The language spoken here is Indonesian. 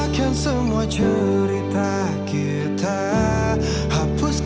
hanya membuat diriku terluka